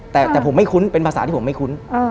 แต่ผมไม่คุ้นเป็นภาษาที่ผมไม่คุ้น